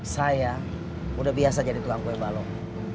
saya udah biasa jadi tukang kue balok